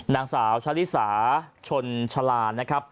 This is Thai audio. นางสาวชะลิสาชนชาลานนะครับ